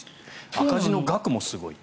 赤字の額もすごい。